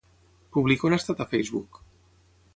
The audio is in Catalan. Publica un estat a Facebook.